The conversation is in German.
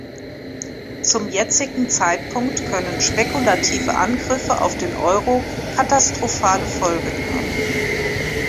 Zum jetzigen Zeitpunkt können spekulative Angriffe auf den Euro katastrophale Folgen haben.